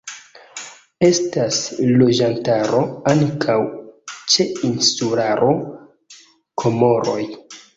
Estas loĝantaro ankaŭ ĉe insularo Komoroj.